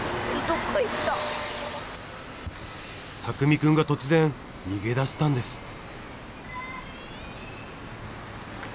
拓美くんが突然逃げ出したんです。